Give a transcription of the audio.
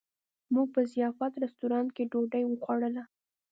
موږ په ضیافت رسټورانټ کې ډوډۍ وخوړله.